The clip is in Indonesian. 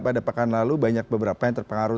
pada pekan lalu banyak beberapa yang terpengaruh